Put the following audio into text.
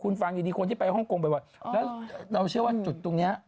คุณฝังอีกคนที่ไปห้องคงเราเชื่อว่าจุดตรงนี้